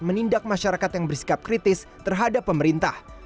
menindak masyarakat yang bersikap kritis terhadap pemerintah